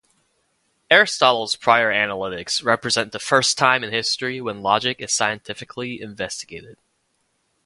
Aristotle's "Prior Analytics" represents the first time in history when Logic is scientifically investigated.